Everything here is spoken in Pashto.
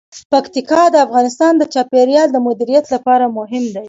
پکتیا د افغانستان د چاپیریال د مدیریت لپاره مهم دي.